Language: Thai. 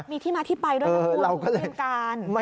มีที่มาที่ไปด้วยนะฮะ